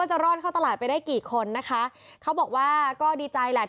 จะรอดเข้าตลาดไปได้กี่คนนะคะเขาบอกว่าก็ดีใจแหละ